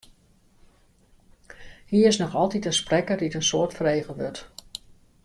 Hy is noch altyd in sprekker dy't in soad frege wurdt.